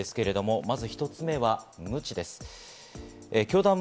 まず一つ目はムチです。